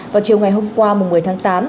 vào chiều ngày hôm qua một mươi tháng tám